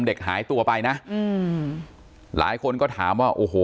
เด็กหายตัวไปนะอืมหลายคนก็ถามว่าโอ้โห